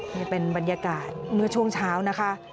นี่เป็นบรรยากาศเมื่อช่วงเช้านะคะ